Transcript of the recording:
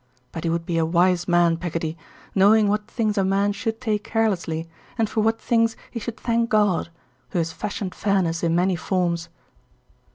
But he would be a wise man, Peggotty, knowing what things a man should take carelessly, and for what things he should thank God, who has fashioned fairness in many forms.